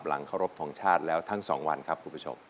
เคารพทงชาติแล้วทั้ง๒วันครับคุณผู้ชม